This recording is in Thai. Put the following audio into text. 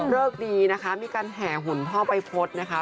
เลิกดีนะคะมีการแห่หุ่นพ่อไว้พลตนะคะ